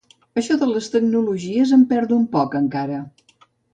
Això de les tecnologies em perdo un poc encara.